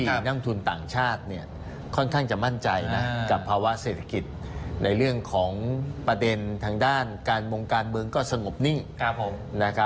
นักทุนต่างชาติค่อนข้างจะมั่นใจนะกับภาวะเศรษฐกิจในเรื่องของประเด็นทางด้านการมงการเมืองก็สงบนิ่ง